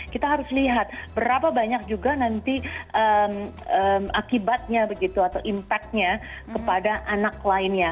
kita harus lihat berapa banyak juga nanti akibatnya begitu atau impactnya kepada anak lainnya